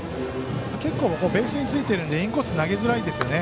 結構ベースについてるのでインコース投げにくいですよね。